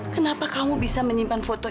kenapa kamu bisa menyimpan foto